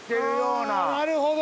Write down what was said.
なるほど。